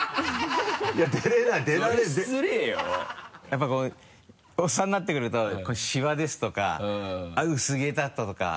やっぱこうおっさんになってくるとこうシワですとか薄毛だとか。